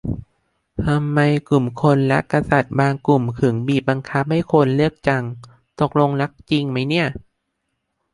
ทำไมกลุ่มคนรักกษัตริย์บางกลุ่มถึงบีบบังคับให้คนเลือกจัง ตกลงรักจริงไหมเนี่ย